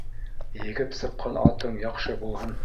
Егеп сыҡҡан атың яҡшы булһын